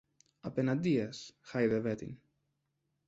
Απεναντίας, χάιδευε την